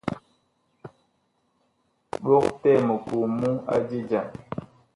Bogtɛɛ mikoo mu a je jam.